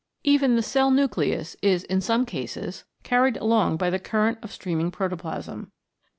Even the cell nucleus is in some cases carried along by the current of stream ing protoplasm.